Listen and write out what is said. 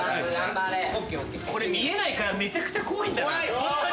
これ見えないからめちゃくちゃ怖い。